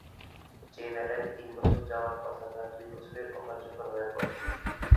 যে ব্যাটারি তিন বছর যাওয়ার কথা তা দুই বছরেই অকার্যকর হয়ে পড়ে।